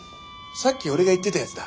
さっき俺が言ってたやつだ。